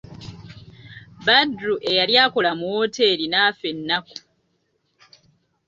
Badru eyali akola mu wooteri n'affa ennaku.